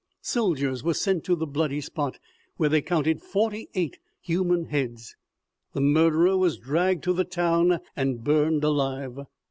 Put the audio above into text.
Soldiers were sent to the bloody spot, where they counted forty eight human heads. The murderer was dragged to the town and burned alive.